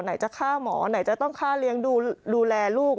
ไหนจะฆ่าหมอไหนจะต้องฆ่าเลี้ยงดูแลลูก